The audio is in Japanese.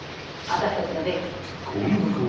私たちの電気。